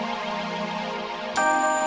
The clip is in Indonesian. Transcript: saya ambil rumah ini